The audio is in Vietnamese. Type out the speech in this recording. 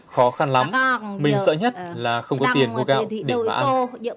khó khăn lắm mình sợ nhất là không có tiền mua gạo để bán